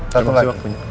terima kasih waktunya